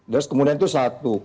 terus kemudian itu satu